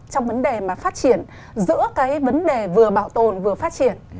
trong vấn đề mà phát triển giữa cái vấn đề vừa bảo tồn vừa phát triển